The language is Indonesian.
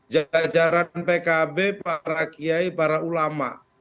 jajaran pkb para kiai para ulama